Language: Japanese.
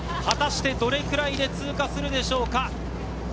果たして、どれくらいで通過するでしょうか。